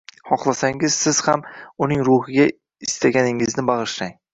Xoxlasangiz siz ham uning ruhiga istaganingizni bag'ishlang.